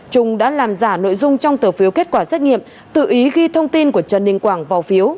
trung đã làm giả nội dung trong tờ phiếu kết quả xét nghiệm tự ý ghi thông tin của trần đình quảng vào phiếu